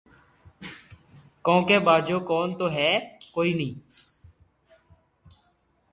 ڪونڪھ ٻآجو ڪون تو ھي ھي ڪوئي ني